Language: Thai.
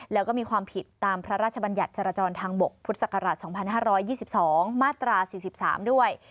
แล้วก็มีความผิดตามพระราชบัญญัติจราจรทางบกพุทธศักราช๒๕๒๒มาตรา๔๓ด้วย